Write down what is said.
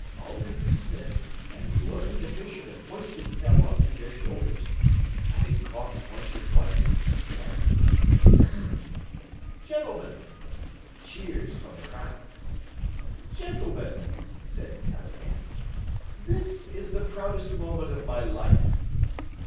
Ulric the smith and Ruodi the fisherman hoisted Tell on to their shoulders, and, having coughed once or twice, he said: "Gentlemen " Cheers from the crowd. "Gentlemen," said Tell again, "this is the proudest moment of my life."